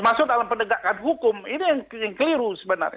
maksud dalam pendegakan hukum ini yang keliru sebenarnya